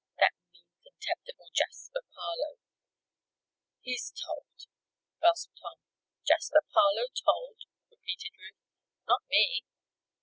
"That mean, contemptible Jasper Parloe! He's told!" gasped Tom. "Jasper Parloe told?" repeated Ruth. "Not me."